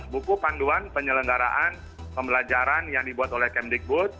buku panduan penyelenggaraan pembelajaran yang dibuat oleh kemdikbud